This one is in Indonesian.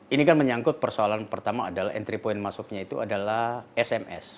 ini kan menyangkut persoalan pertama adalah entry point masuknya itu adalah sms